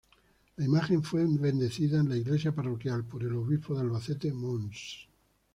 La imagen fue bendecida en la Iglesia Parroquial por el Obispo de Albacete, Mons.